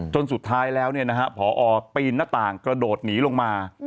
จนสุดท้ายแล้วพอปีนหน้าต่างกระโดดหนีลงมา